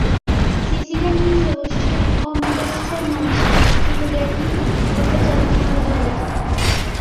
সিসিদের মিত্রগোষ্ঠীর অন্তশ্চর নয় সে, কিন্তু জ্ঞাতি, অর্থাৎ জানাশোনার দলে।